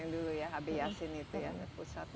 yang dulu ya hb yasin itu ya pusat